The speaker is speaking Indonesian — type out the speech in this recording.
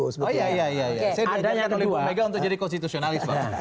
oh iya iya saya belajar dari pemega untuk jadi konstitusionalis